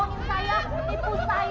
minta dia apain